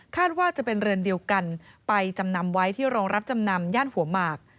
ว่าจะเป็นเรือนเดียวกันไปจำนำไว้ที่โรงรับจำนำย่านหัวหมาก